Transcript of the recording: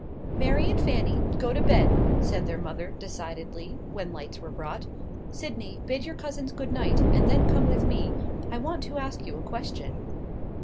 "Mary and Fanny, go to bed," said their mother, decidedly, when lights were brought. "Sydney, bid your cousins good night, and then come with me; I want to ask you a question."